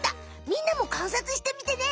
みんなもかんさつしてみてね。